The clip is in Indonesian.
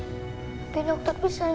tapi dokter bisa nyembuhin mama kan